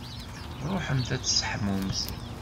Ṛuḥemt ad tseḥmumt.